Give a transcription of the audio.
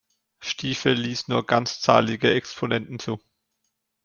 Stifel ließ nur ganzzahlige Exponenten zu.